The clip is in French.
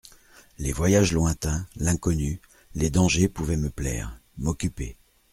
Les voyages lointains, l'inconnu, les dangers pouvaient me plaire, m'occuper.